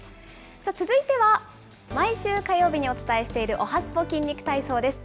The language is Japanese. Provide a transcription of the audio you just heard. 続いては、毎週火曜日にお伝えしている、おはＳＰＯ筋肉体操です。